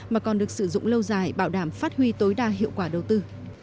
mà còn được sử dụng lâu dài bảo đảm phát huy tối đa hiệu quả đầu tư